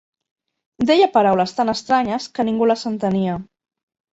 Deia paraules tant estranyes que ningú les entenia